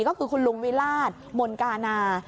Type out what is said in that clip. ก็คือคุณลุงวิราชมนกานา